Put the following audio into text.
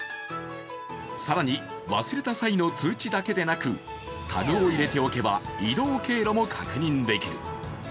更に忘れた際の通知だけでなく、タグを入れておけば移動経路も確認できる。